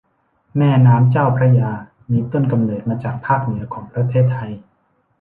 แม่น้ำเจ้าพระยา มีต้นกำเนิดมาจากภาคเหนือของประเทศไทย